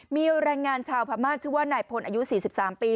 มีแรงงานชาวพม่าชื่อว่านายพลอายุ๔๓ปี